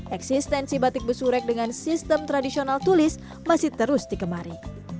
eksistensi batik besurek dengan sistem tradisional tulis masih terus dikemari